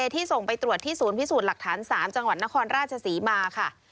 ที่ส่งไปตรวจที่ศูนย์พิสูจน์หลักฐาน๓จังหวัดนครราชศรีมาค่ะ